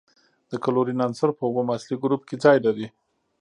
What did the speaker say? د کلورین عنصر په اووم اصلي ګروپ کې ځای لري.